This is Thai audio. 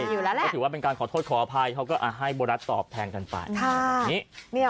อยู่แล้วแหละก็ถือว่าเป็นการขอโทษขออภัยเขาก็ให้โบรัสตอบแทนกันไป